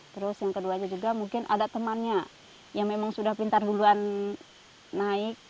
terus yang keduanya juga mungkin ada temannya yang memang sudah pintar duluan naik